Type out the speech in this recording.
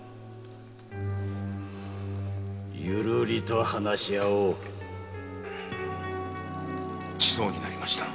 ゆるりと話し合おうちそうになりました。